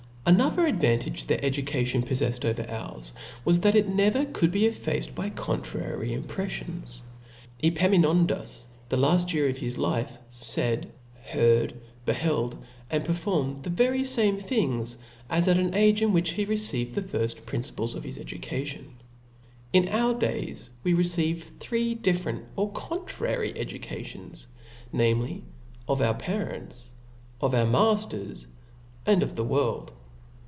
Axiother advantage their education had over ours i it never was effaced by contrary imprefllons. Epa* minondas, the laft year of his life, faid, heard, beheld^ and performed the very fan>e things, as at the ^ge in urbich ht received the firft principles of his education^ la our days we receive three diflfercnt or contrary educations, namely^ of our parents, of our mafteri^ and of the world.